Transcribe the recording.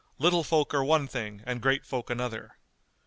Little folk are one thing and great folk another."